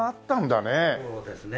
そうですね。